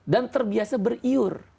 dan terbiasa beriur